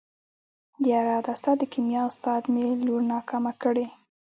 يره دا ستا د کيميا استاد مې لور ناکامه کړې.